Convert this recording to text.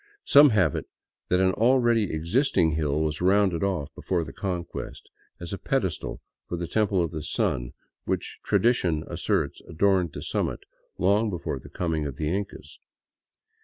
Some have it that an already existing hill was rounded off before the Conquest, as a pedestal for the Temple of the Sun which tradition asserts adorned the summit long before the coming of the Incas.